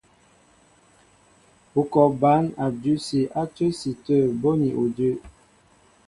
Ú kɔ bǎn a dʉsi á cə́si tə̂ bóni udʉ́.